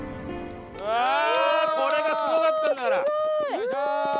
これがすごかったんだから。